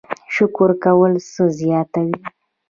شکر کول څه زیاتوي؟